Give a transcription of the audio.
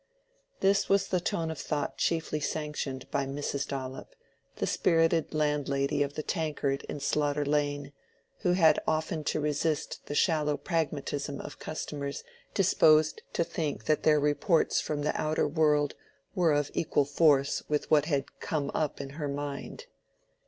This was the tone of thought chiefly sanctioned by Mrs. Dollop, the spirited landlady of the Tankard in Slaughter Lane, who had often to resist the shallow pragmatism of customers disposed to think that their reports from the outer world were of equal force with what had "come up" in her mind.